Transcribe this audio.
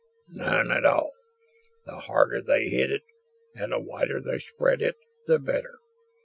"None at all. The harder they hit it and the wider they spread it, the better.